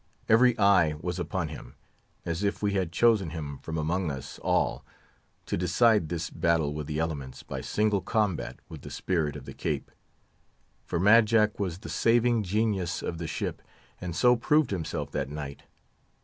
Every eye was upon him, as if we had chosen him from among us all, to decide this battle with the elements, by single combat with the spirit of the Cape; for Mad Jack was the saving genius of the ship, and so proved himself that night.